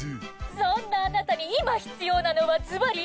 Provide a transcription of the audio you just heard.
そんなあなたに今必要なのはズバリ。